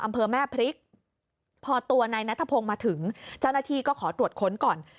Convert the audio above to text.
อำเภอแม่พริกพอตัวนายนัทพงศ์มาถึงเจ้าหน้าที่ก็ขอตรวจค้นก่อน